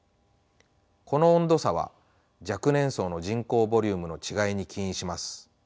この温度差は若年層の人口ボリュームの違いに起因します。